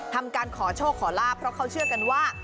ทำการขอโชคขอลาบเพราะเขาเชื่อกันว่า